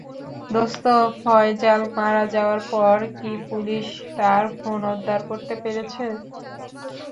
দোস্ত, ফয়জাল মারা যাওয়ার পর কী পুলিশ তার ফোন উদ্ধার করতে পেরেছে?